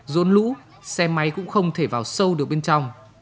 rốn lũ xe máy cũng không thể vào sâu được bên trong